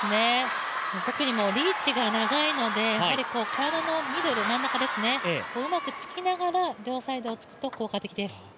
特にリーチが長いので、体のミドル、真ん中をうまく突きながら両サイドを突くと効果的です。